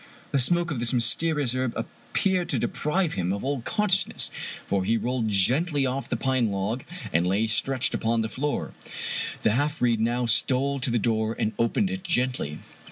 The smoke of this mysterious herb appeared to deprive him of all con sciousness, for he rolled gently off the pine log, and lay stretched upon the floor. The half breed now stole to the door and opened it gently.